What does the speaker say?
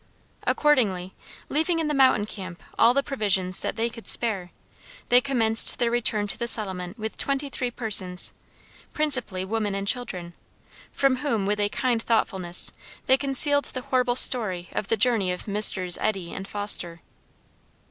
Accordingly, leaving in the mountain camp all the provisions that they could spare, they commenced their return to the settlement with twenty three persons, principally women and children, from whom, with a kind thoughtfulness, they concealed the horrible story of the journey of Messrs. Eddy and Foster.